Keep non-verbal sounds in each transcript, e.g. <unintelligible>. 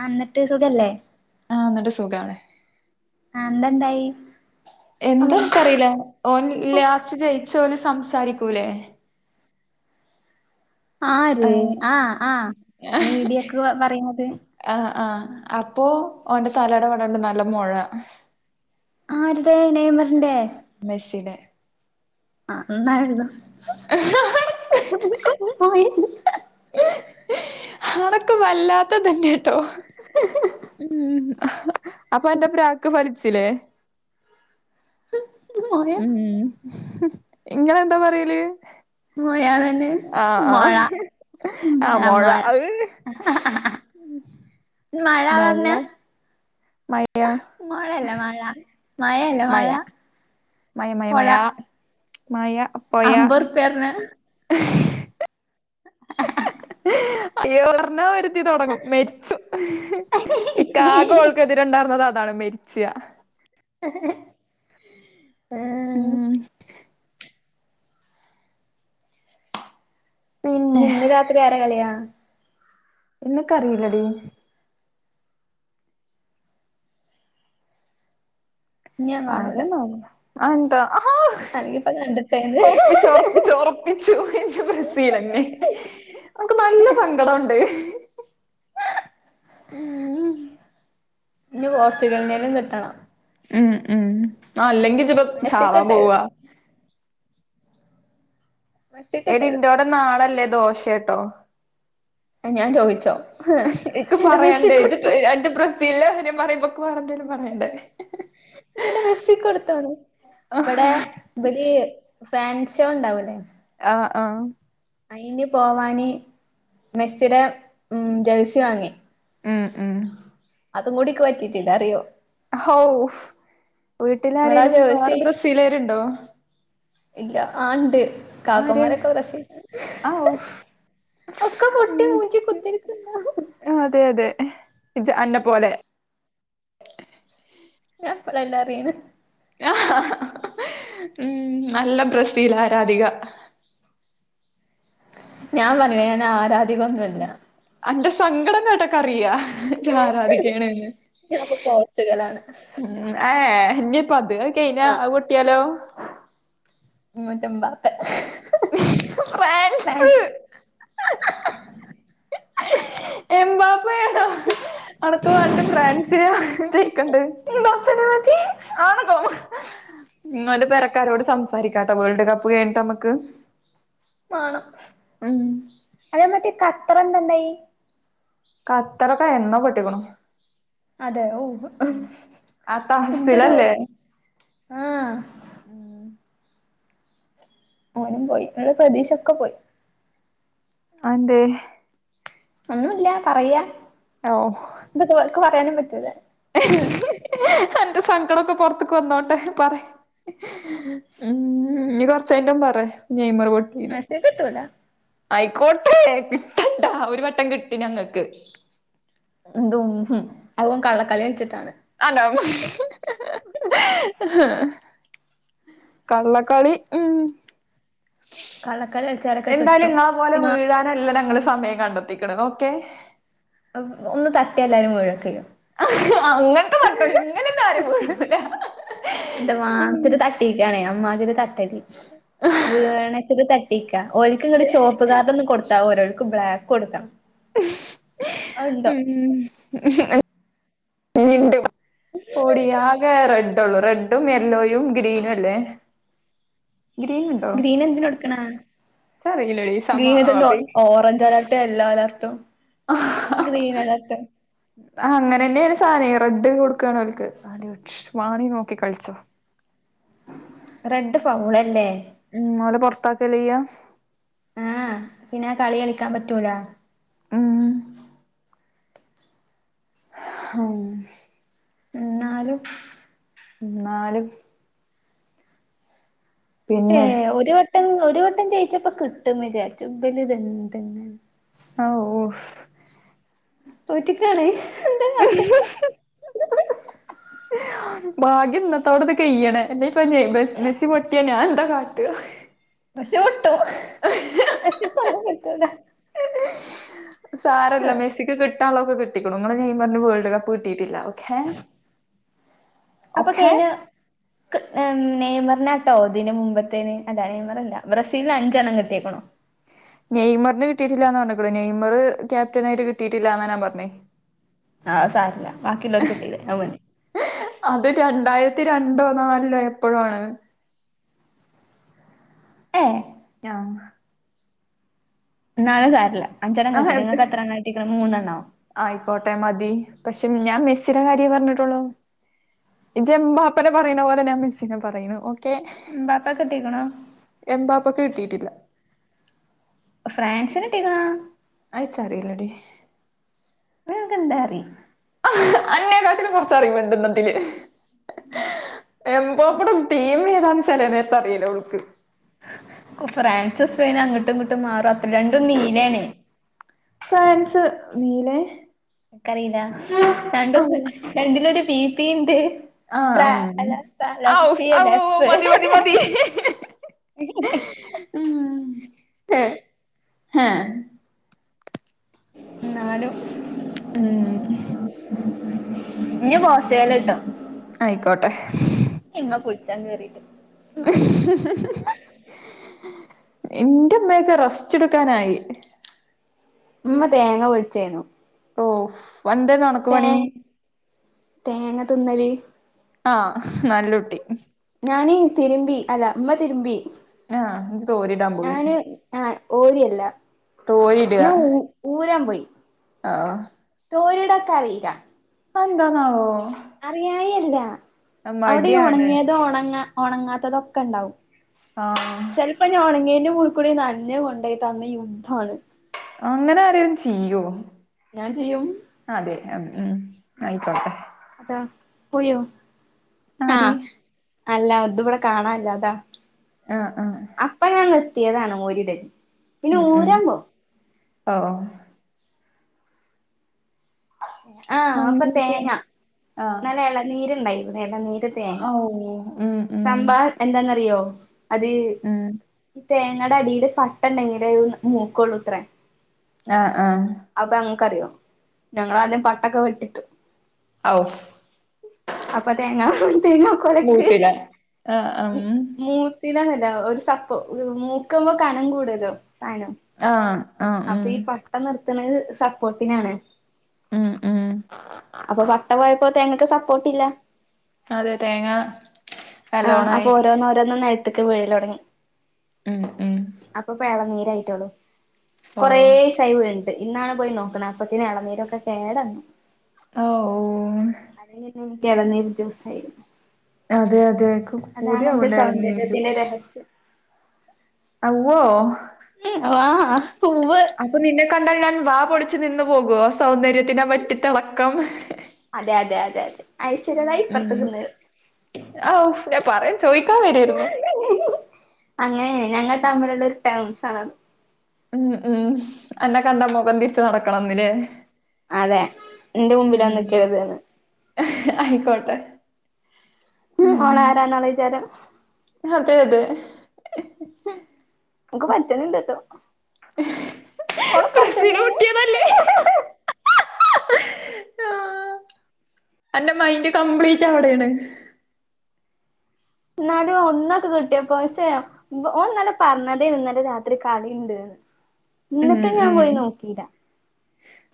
ആ ഇന്നട്ട് സുഖല്ലേ ആഹ ഇന്നട്ട് സുഖണ് ആ ഇന്നെന്തായി എന്താക്കറിയില്ല ഓ ലാസ്റ്റ് ജയിച്ച പോല സംസാരിക്കൂലേ ആര് ആഹ് ആ ആ മീഡിയക്ക് പറയുന്നത് ആഹ ആഹ അപ്പോ ഓന്റെ തലട വടണ്ട് നല്ല മഴ ആരുടെ നെയ്മറിന്റെറെ മെസ്സിടെ ആ എന്നായിരുന്നു <unintelligible> <unintelligible> <unintelligible> ആണക്ക വല്ലാത്ത തന്നെ ട്ടോ ഉ അപ്പൊ എന്റെ പ്രാക്ക് ഫലിച്ചില്ലേ മോയ ഉം ഇങ്ങള് എന്താ പറയല് <unintelligible> മോഴാ ആഹ് ആഹ് ആഹ് -മോഴാ മൊഴ മോഴാ അഹ് മഴ മൊഴ പറഞ്ഞ മയ മയല്ല മഴ മയല്ല മഴ മയ മയ മയ മയാ മായ അമ്പറുപ്പിയ പറഞ്ഞാ അ <unintelligible> അയ്യോ <unintelligible> വരുത്തി തുടങ്ങും മെരിച്ചു ഇകാകെ ഒഴുക്ക തിണ്ടായിരുന്നത് അതാണ് മെരിച്ചയ ആ ഉം പിന്നെ നിന്ന് രാത്രി ആരെ കളിയാ എന്നൊക്ക അറിയില്ലടി ഇനി ഞാൻ ആര കാണൂല അന്ത <unintelligible> അല്ലെങ്കി ഒറപ്പിച്ചു ഒറപ്പിച്ചു ഒറപ്പിച്ചു ഇജ് ബ്രസീൽന്നെ അനക് നല്ല സങ്കടണ്ട് ഉം ഇഞ് കോർച്ചുഗലിനലും കിട്ടണം ഉം ഉം ആ അല്ലെങ്കിൽ ജ്ജ്പ്പോ ചാവാൻ മെസ്സിക്കിട്ടരുത് പോവാ എടി മെസ്സിക്കിട്ടരുത് ഇന്റോടെ നാളല്ലേ ദോശേട്ടോ ഞാൻ ചോദിച്ചോ എക്ക എന്റെ മെസ്സി പറയണ്ടേ കൊടുത്ത ഇ അതിന്റെ പ്രശ <unintelligible> പറയുംമ്പൊക്ക് വരെ ന്തേരും പറയണ്ടേ ജടെ മെസി കുടുത്തന ബടാ ഇവൽ ഫാൻഷോ ഉണ്ടാവല്ലേ ആഹ് ആഹ് അയിന് പോവാാന് മെസ്സിടെ ഉം ജേഴ്സി വാങ്ങി. മ്മ് മ്മ്. അതുംകൂടി നിക്ക് പറ്റിട്ടില്ല അറിയോ? ഹൌ ഇങ്ങടാ വീട്ടിലാരേലും ജേഴ്സി വേറെ ബ്രസീലേരുണ്ടോ? ഇല്ല ആണ്ട് ആര് കാക്കമാരൊക്കെ ബ്രെസീൽ. ഔ ഒക്കെ പൊട്ടി മൂഞ്ചി കുത്തിരികണ്ടാകും. ആ അതെ അതെ അന്നെ പോലെ. ഞാൻപ്പളെലെ അറിയണെ. ഉം നല്ല ബ്രസീൽ ആരാധിക. ഞാൻ പറഞ്ഞിലെ ഞാൻ ആരാധികൊന്നുമല്ല. ആന്റെ സങ്കടം കണ്ട് അറിയാ ഇജ്ജ് ആരാധിക്കണന്ന്. ഞാനിപ്പോ പോർച്ചുഗലാണ് ആ ഇഞ്ഞിപ്പോ അത്, അത് കയിഞ്ഞ ആ പൊട്ടിയാലോ? മൂറ്റൊമ്പാത്ത്. ഫ്രാൻസ് പ്പ <unintelligible> അനക്ക് വണ്ട് ഫ്രാൻസിനെ ജയിക്കേണ്ടത്. മതി. ഇങ്ങെളേടെ പേരക്കാരോട് സംസാരിക്കാട്ട വേൾഡ് കപ്പ് കഴഞ്ഞിട്ട് നമക്ക്. മാണം അതേ മറ്റേ ഖത്തർ എന്താണ്ടായി. കത്തറൊക്കെ എന്നോ പോട്ടികുണു. അതെ ഓ ആ എന്തൊരു തഹസിലല്ലേ ആഹ്. ഉം ഓനും പോയി ഇങ്ങടെ പ്രദീശ ഒക്കെ പോയി. അതെന്തേ? ഒന്നുല്ല പറയാ. ഓഹ്. ഇ തക്ക് പറയാനും പറ്റൂല്ല. അന്റെ സങ്കടമൊക്കെ പോറത്ക്ക് വന്നോട്ടെ പറ ഉ ഇഞകൊ <unintelligible> പറയാ നെയ്മർ പൊട്ടീന്ന് മെസ്സേ കിട്ടൂല. ആയിക്കോട്ടെ കിട്ടണ്ട ഒരു വട്ടം കിട്ടി ഞങ്ങൾക്ക്. തും അതും കള്ളക്കളി കളിച്ചിട്ടാണ്. ആണോ. കള്ളക്കളി ഉം കള്ളക്കളി കളിച്ചാലൊക്കെ എന്തായാലും കിട്ടും ഇങ്ങളെ പോലെ പിന്നെ വീഴൻ നല്ല ഞങ്ങൾ സമയം കണ്ടെത്തിക്കണ് ഓക്കെ. ഒന്ന് തട്ടിയ എല്ലാരും മുഴകേ. ആഹ് അങ്ങെ എന്ത ഉം വണനെച്ചിട്ട് കട്ടീക്കാണേ അമാതിരി <unintelligible> വീണച്ചത കാട്ടിക ഓല്ക് ഇങ്ങട്ട് ചോപ്പ് കാർഡ് ഒന്നും കൊടുത്താ പോരാ ഒർക്ക് ബ്ലാക്ക് കൊടുണം. മ്മ്. വീണ്ടും പോടീ ആകെ ര <unintelligible> റെഡും യെല്ലോയും ഗ്രീനും അല്ലേ ഗ്രീന ഗ്രീൻ എന്തിന് എടുക്കണ? ഇച്ചറീലടി സമ ഗ്രീൻ ആ എന്ത പിങ്ക് ഓറഞ്ച് അലർ യെല്ലോ അലെർട്ടും ഗ്രീൻ അലെർട്ടും. ആ അങ്ങനെന്നെയാണ് സാനെ റെഡ് കൊടുക്കാണ് ഓൽക്ക് വാണി നോക്കി കളിച്ചോ. റെഡ് ഫൗളല്ലേ? ഉം ഓലെ പറത്താക്കല്യ ചെയ്യാ- ആഹ് പിന്നെ ആ കളി കളിക്കാൻ പറ്റൂല. ഉം. ഹും. ന്നാലും. ന്നാലും. ഏ പിന്നെ ഒരു വട്ടം ഒരു വട്ടം ജയിച്ചപ്പോ കിട്ടുംന്ന് വിചാരിച്ചു ഇവലിത് ഇതെന്ത്. ഓ ഓ. പോറ്റിക്കണേ എന്താ കാട്ടുക. ഭാഗ്യം ഇന്നത്തോട ഇത് കെയ്യണ എന്നയിപ്പ മെസ്സി പൊട്ടിയ ഞാൻ എന്താ കാട്ട. മെസ്സി പൊട്ടും മെസ്സിക്ക് ഒന്നും കിട്ടൂല. സാരല്ല മെസിക്ക് കിട്ടാനുള്ളതക്കെ കിട്ടിക്കും നിങ്ങെ നെയ്മറിന് വേൾഡ് കപ്പ് കിട്ടിട്ടില്ല. അപ്പൊ ഓക്കെ കഴിഞ്ഞ. നെയ്മറിനട്ടോ അതിന് മുമ്പത്തേന് അതാ നെയ്മർല്ല ബ്രസീലിൽ അഞ്ചെണ്ണം കിട്ടിയേക്കണോ. നെയ്മറിന് കിട്ടയിട്ടില്ല എന്ന് പറഞ്ഞൂ നെയ്മർ ക്യാപ്റ്റനായിട്ട് കിട്ടിയിട്ടില്ലാ ഞാ പറഞ്ഞേ. ആഹ് സാരോല്ല ബാക്കിയുള്ളള്ളവര് കിട്ടിയേ അവ മതി. അത് രണ്ടായിരത്തി രണ്ടോ നാലിലോ എപ്പോഴാണ്. ഏ. ഞാ എന്നാലും സാരിില്ല അഞ്ചെണ്ണം ആ കിട്ടി നിങ്ങൾക്ക് എണ്ണം കിട്ടിഇരിക്കാണ് മൂന്നെണ്ണോ. ആയിക്കോട്ടെ മതി പക്ഷെ ഞാൻ മെസ്സിയുടെ കാര്യേ പറഞ്ഞിട്ടുള്ളോ. ജെം ബാപ്പനെ പറയുന്ന പോലെ ഞാൻ മെസ്സിനെ പറയുന്നു ഓക്കെ. എം പാപ്പക്ക് കിട്ടിക്കണോ. എം ബാപ്പാക്ക് കിട്ടിയിട്ടില്ല. ഫ്രാൻസിന് കിട്ടിക്കണോ. അത് <unintelligible> അറിയില്ലടി. നിനക്കെന്തറിയാം. അന്നേ കാട്ടിലും കുറച്ചറിവ് ഇണ്ട് ഇന്ന് ഇതില്. എംബാപ്പെടെ ടീം ഏതാന്ന് ചില നേരത്ത അറിയില്ല ഓൾക്ക്. ഫ്രാൻസും, സ്പൈനും അങ്ങോട്ടും ഇങ്ങോട്ടും മാറും അത്ര രണ്ടും നീലണേ. ഫ്രാൻസ് നീലെ. എക്കറിയില്ല രണ്ടും രണ്ടിലൊരു ബി പി ഉണ്ട്. ആ ഉം ഔ <unintelligible> ഔ ലഫ്. ഇ മതി മതി മതി ഇ ഈ. <unintelligible> ഹെ ന്നാനു മ്മ്. ഇനി പോർച്ചുഗൽ കിട്ടും. ആയിക്കോട്ടെ ഇമ്മ കുളിചാൻ കേറിട്ടു എന്റെമ്മയൊക്കെ റെസ്റ്റെടുക്കാനായി. ഉമ്മ തേങ്ങ പൊളിച്ചെന്നു. ഓ വന്തേ നണക്ക് പണി. തേങ്ങ തിന്നൽ. ആഹ നല്ലുട്ടി. ഞാന് തിരുമ്പി അല്ല ഉമ്മ തിരുമ്പി. ആഹ് എ തോരിടാൻ പോയി. ആഹ ഓരിയല്ല തോരിയിടുക ഞാൻ ഊ ഊരാൻ പോയി. ആഹ് തോരേഇടാൻ എക്ക് അറിയില്ല. അന്താ നാവോ. അറിയായില്ല അവിടെ ഈ മടിയാണ് ഉണങ്ങിയതും ഉണങ്ങ ഉണങ്ങാത്തതോ ഒക്കെ ഉണ്ടാവും. ആഹ് ചിലപ്പോ ഞ ഉണങ്ങേന്റെ മോളി കൂടി നഞ്ഞ കൊണ്ടയിട്ട അന്നു യുദ്ധാണ്. അങ്ങനെ ആരെേങ്കിലും ചെയ്യോ ഞാൻ ചെയ്യും. അതെ അം ഉം ആയിക്കോട്ടെ ആര് താപോയോആഹ് അല്ലതിവ്ടെ കാണാല്ലാത്ത ആഹ് ആഹ് അപ്പഞാൻ നിർത്തിയതാണ് മൊരിടല് ഉം ഉം ഓ ഓ ആഹ് അപ്പ അങ്ങനെയൊക്കെ തേങ്ങ നല്ല എളനീരുണ്ടായി എളനീര് ആഹ് ഓഹ് ഉം ഉം സമ്പാർ എന്താന്നറിയോ അത് ഈ ഉം തേങ്ങടെ അടിൽ പട്ടണ്ടെങ്കിലേ മൂകൊള്ളോത്രേ ആഹ് ആഹ് അയിപ്പങ്ങക്കറിയോ ഞങ്ങളാദ്യം പട്ടൊക്കെ വെട്ടിട്ട് ഔഫ് അപ്പ തേങ്ങാ തേങ്ങാക്കൊലക്ക് മൂട്ടിലെ ആഹ് ഉം മൂ പിന്നതല്ല ഒരുസപ്പോ മൂക്കുമ്പോ കനങ്കുടല്ലോസാനം ആഹ് ആഹ് ഉഹ് <unintelligible> നിർത്ത്ണത് സപ്പോട്ടിനാണ് ഉം ഉം അപ്പ വട്ടപോയപ്പോ തേങ്ങക്ക് സപ്പോട്ടില്ല അതെ തേങ്ങ ആഹ് അപ്പൊ നല്ലോണായി ഓരോന്നോരോന്ന് നെ ക്ക് വീഴലൊട്ങ്ങി ഉം ഉം അപൊപ്പെ എളനീരായിട്ടൊള്ളു. ഓ കുറേസായി വീണിട്ട് ഇന്നാണ് പോയിനോക്കണ് അപ്പത്തിന് എളനീരൊക്കെ കേടന്ന് ആഹ് ഓ <unintelligible> ക്കേളനീര് ജൂസായിരുന്നു. അതെ അതെ ക്ക് അതാണെന്റെ പൂതിയാവ്ണ്ട് എളനീർ സൗന്ദര്യത്തിലെ ജ്യൂസ് രഹസ്യം അവ്വോ ആഹ് ഉവ്വ്. അപ്പൊ നിന്നെ കണ്ടാൽ ഞാൻ വാ പൊളിച്ച് നിന്ന് പോകോ സൗന്ദര്യ ത്തിനെ വെട്ടിത്തെളക്കം അതെയതെയതെ ആഹ് ആഹ് ഔ ഞാൻ പറയാ ചോയിക്കാവരായിരുന്നു. അങ്ങനെ ഞങ്ങള്തമ്മിലുള്ള ഒരു ടേംസാണത്. ഉം ഉം അന്നെകണ്ടാ മൊഖന്തിരിച്ച് നടക്കണന്ന്ല്ലേ അതെ ഇന്റെ മുമ്പിലൊന്ന്നിക്കര്ത്ന് അയിക്കോട്ടെ ആഹ് ഒനാരാന്നാണ് വിചാരം അതെയതെ ഹ്മ് ന്ക്ക്പച്ചനിണ്ട്ട്ടോ ബ്രസീല് ഓളക്കൻത്തന്നെണ് പൊട്ടിയതല്ലേ ആഹ് അന്റെ മൈൻഡ്കംപ്ലീറ്റവിടെണ് ഇന്നാലും ഒന്നൊന്ക്ക്കിട്ടിയപ്പോ ഛെ ഓ ഇന്നലെ പറഞ്ഞതേ ഇന്നലെ രാത്രി കളിണ്ട് <inaudible> ഇന്നിട്ടും ഞാൻ ഉം പോയി നോക്കിലാ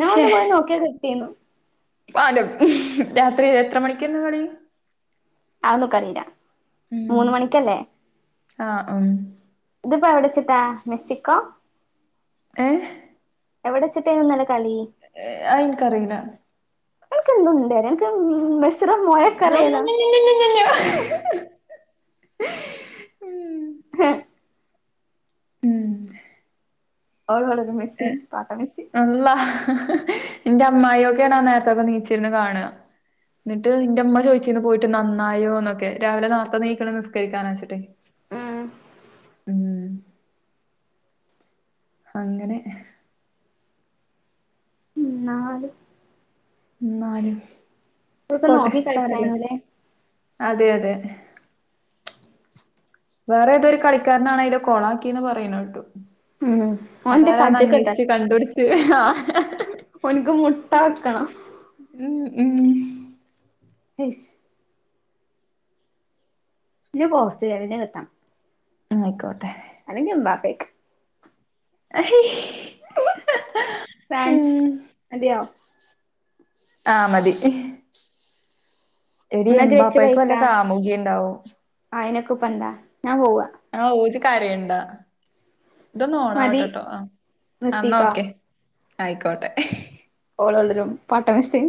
ഞാനൊന്ന് പോയിനോക്കിയാ കിട്ടീന്നു. പാലം രാത്രി എത്ര മണിക്കെര്ന്ന് കളി അഒന്നു എനിക്കറില ഉം മൂന്നുമണിക്കല്ലേ. ആഹ് ഉം ഇത്പ്പെവിടെച്ചിട്ടാ മെസ്സിക്കോ ഏഹ് എവിടെച്ചിട്ടേന്ന് ഇന്നലെ കളി ഏഹ് അയിൻക്കറില <unintelligible> ഞങ്ങക്ക് മെസ്സ് <unintelligible> ഉം ഹ് ഉം അവളോട് ഏഹ് അള്ളാ ന്റെ അമ്മായിക്കെയാണ് ആ നേരത്തോക്കെ നീച്ചിരുന്ന് കാണുക ന്നിട്ട് എൻ്റുമ്മ ചോദിച്ചു വിട്ടീന്ന് പോയിട്ട് നന്നായോന്നൊക്കെ രാവിലെ നേർത്ത എണീക്കണം നിസ്കരിക്കനെച്ചിട്ടെ ഉം അങ്ങനെ ഉം ന്നാലും ന്നാലും ഇതൊക്കെ പോട്ടെ നോക്കി സാരല്ല കളിച്ചായിരുന്നുല്ലേ അതെ അതെ വേറെ ഏതൊരു കളിക്കാരനാണ് അയിലെ കൊളാക്കിന്ന് പറയണ കേട്ടു ഉം ഓന്റെ അതാരാന്ന് കജ്ജക്കെട്ടാൻ അന്വേഷിച്ച് കണ്ടുപിടിച്ച് ആഹ് ഓനിക്ക് മുട്ടാക്കണം ഉം ഉം അയ്ശ് വലിയ പോസ്റ്റ് കറൻ്റ് കട്ടാ ആഹ് ആയിക്കോട്ടെ അല്ലെങ്കി ഉമ്മാക്ക് ഫ്രാൻസ് ഉം. അതെയോ? ആഹ് മതി എടീ എന്നാ ഇജ്ജ് എമ്പാപ്പയ്ക്ക് വല്ല കാമുകി ഇണ്ടാവും ആയിനെക്കുപ്പെന്താ ഞാൻ പോവാ ആഹ് ഓജ് കരയണ്ട ഇതൊന്ന് മതി ഓണാവട്ട്ട്ടോ ആഹ് എന്നാ നിർത്തിക്കോ ഓക്കെ ആയിക്കോട്ടെ ഓള് ഓളൊരും പാട്ട മെസിം